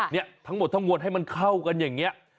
เนี่ยทั้งหมดให้มันเข้ากันอย่างนี้